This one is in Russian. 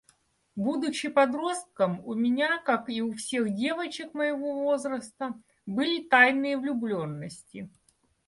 Будучи подростком, у меня как и у всех девочек моего возраста, были тайные влюбленности.